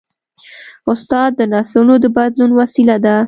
استاد د نسلونو د بدلون وسیله ده.